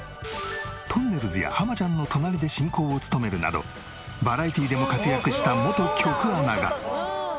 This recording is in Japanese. とんねるずや浜ちゃんの隣で進行を務めるなどバラエティでも活躍した元局アナが。